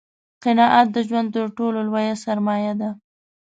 قناعت دژوند تر ټولو لویه سرمایه ده